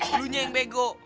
dulunya yang bego